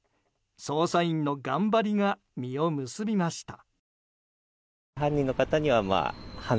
捜査員の頑張りが実を結びました。